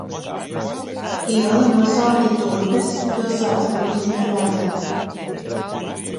Iela nosaukta Durbes – pilsētas Kurzemē – vārdā.